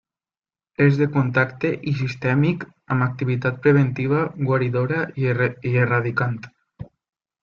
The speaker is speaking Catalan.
És de contacte i sistèmic, amb activitat preventiva, guaridora i erradicant.